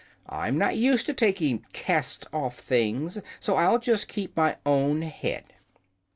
"I'm not used to taking cast off things, so I'll just keep my own head."